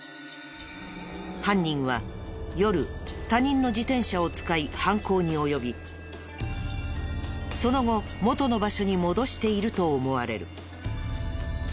犯人は夜他人の自転車を使い犯行に及びその後元の場所に戻していると思われる。